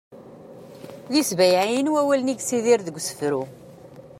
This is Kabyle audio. d isbayɛiyen wawalen i yessidir deg usefru